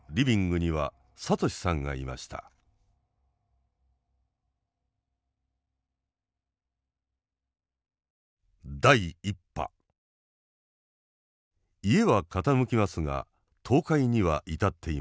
家は傾きますが倒壊には至っていません。